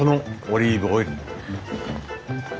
オリーブオイル！